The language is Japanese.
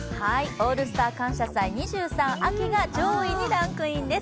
「オールスター感謝祭２３秋」が上位にランクインです。